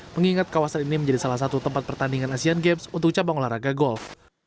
mengingat kawasan ini menjadi salah satu tempat pertandingan asian games untuk cabang olahraga golf